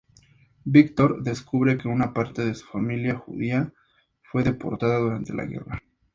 Victor descubre que una parte de su familia, judía, fue deportada durante la guerra.